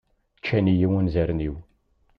Ččan-iyi wanzaren-iw.